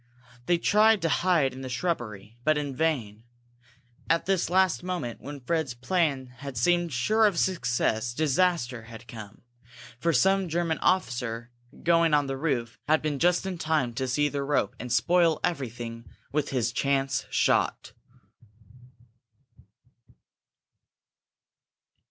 They tried to hide in the shrubbery. But in vain. At this last moment, when Fred's plan had seemed sure of success, disaster had come for some German officer, going on the roof, had been just in time to see the rope and spoil everything with his chance shot!